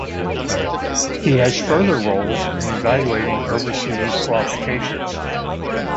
It has further roles in evaluating overseas qualifications.